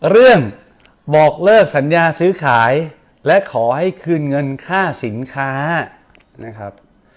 เรื่องบอกเลิกสัญญาซื้อขายและขอให้คืนเงินค่าสินค้านะครับ